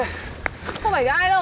không phải gai đâu